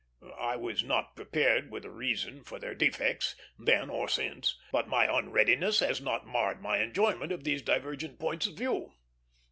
I was not prepared with a reason for their defects, then or since; but my unreadiness has not marred my enjoyment of these divergent points of view.